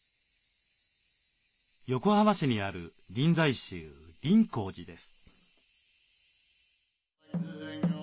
横浜市にある臨済宗林香寺です。